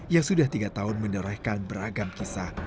yang sudah tiga tahun menderahkan beragam kisah